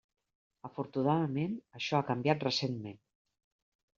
Afortunadament això ha canviat recentment.